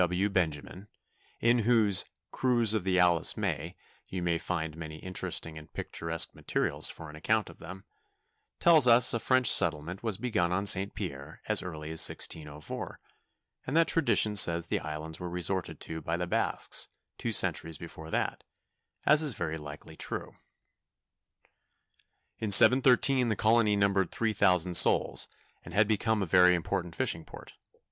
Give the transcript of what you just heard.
G. W. Benjamin, in whose "Cruise of the Alice May" you may find many interesting and picturesque materials for an account of them, tells us a French settlement was begun on St. Pierre as early as 1604, and that tradition says the islands were resorted to by the Basques two centuries before that, as is very likely true. In 1713 the colony numbered three thousand souls, and had become a very important fishing port.